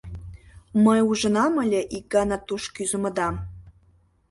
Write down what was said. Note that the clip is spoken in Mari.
«Мый ужынам ыле ик гана туш кӱзымыдам.